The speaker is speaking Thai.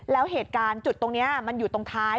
แล้วเหตุการณ์จุดตรงนี้มันอยู่ตรงท้าย